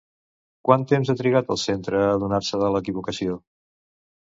Quant temps ha trigat el centre a adonar-se de l'equivocació?